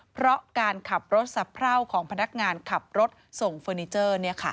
เพราะการขับรถสะพร่าวของพนักงานขับรถส่งเฟอร์นิเจอร์